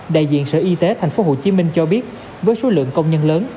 đại diện sở y tế tp hcm cho biết với số lượng công nhân lớn